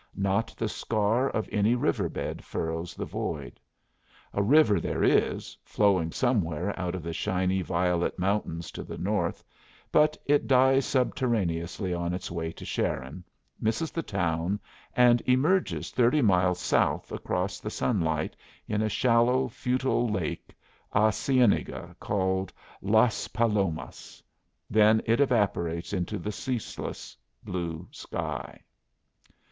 Not the scar of any river bed furrows the void. A river there is, flowing somewhere out of the shiny violet mountains to the north, but it dies subterraneously on its way to Sharon, misses the town, and emerges thirty miles south across the sunlight in a shallow, futile lake, a cienaga, called Las Palomas. Then it evaporates into the ceaseless blue sky.